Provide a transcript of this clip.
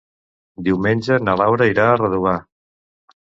Diumenge na Laura irà a Redovà.